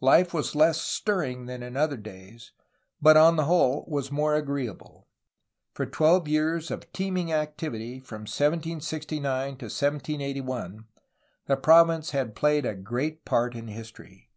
Life was less stirring than in other days, but on the whole was more agree able. For twelve years of teeming activity, from 1769 to 1781, the province had played a great part in history.